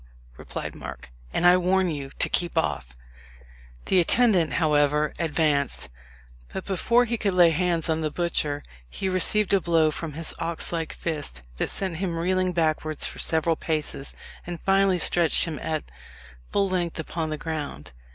replied Mark; "and I warn you to keep off." The attendant, however, advanced; but before he could lay hands on the butcher he received a blow from his ox like fist that sent him reeling backwards for several paces, and finally stretched him at full length upon the ground.